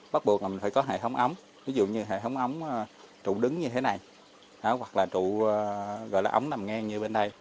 bắt buộc là mình phải có hệ thống ống ví dụ như hệ thống ống trụ đứng như thế này hoặc là trụ gọi là ống nằm ngang như bên đây